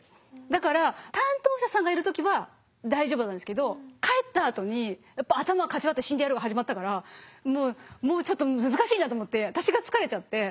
だから担当者さんがいる時は大丈夫なんですけど帰ったあとにやっぱ「頭かち割って死んでやる」が始まったからもうもうちょっと難しいなと思って私が疲れちゃって。